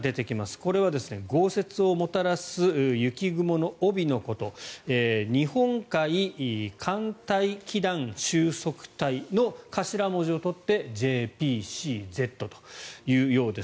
これは豪雪をもたらす雪雲の帯のこと日本海、寒帯気団、収束帯の頭文字を取ってＪＰＣＺというようです。